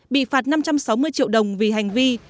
bị phạt năm trăm sáu mươi triệu đồng vì hành vi